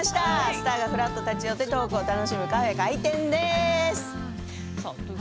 スターがふらっと立ち寄ってトークを楽しむカフェ、開店です。